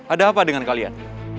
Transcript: ada apa dengan kalian